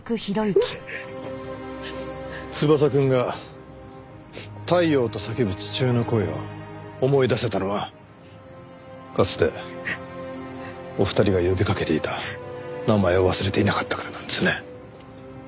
翼くんが「タイヨウ」と叫ぶ父親の声を思い出せたのはかつてお二人が呼びかけていた名前を忘れていなかったからなんですね。